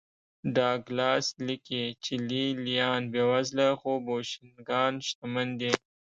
ډاګلاس لیکي چې لې لیان بېوزله خو بوشونګان شتمن دي